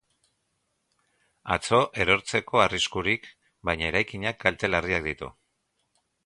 Atzo erortzeko arriskurik, baina eraikinak kalte larriak ditu.